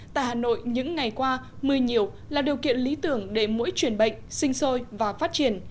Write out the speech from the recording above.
tại hà nội những ngày qua một mươi nhiều là điều kiện lý tưởng để mũi chuyển bệnh sinh sôi và phát triển